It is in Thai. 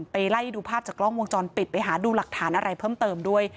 ไล่ดูภาพจากกล้องวงจรปิดไปหาดูหลักฐานอะไรเพิ่มเติมด้วย